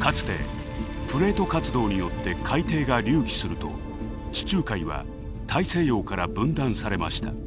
かつてプレート活動によって海底が隆起すると地中海は大西洋から分断されました。